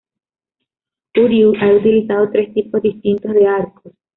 Uryū ha utilizado tres tipos distintos de arcos.